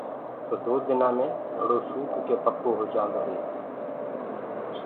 تو دو دن مي گھڙو سوڪ ڪآ توڙو پڪو هوجآندو هآ۔